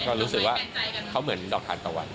ก็รู้สึกว่าเขาเหมือนดอกทานตะวัน